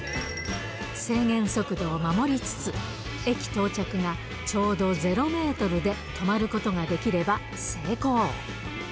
制限速度を守りつつ、駅到着がちょうど０メートルで止まることができれば成功。